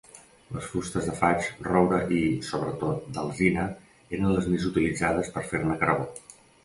Les fustes de faig, roure i, sobretot, d'alzina, eren les més utilitzades per fer-ne carbó.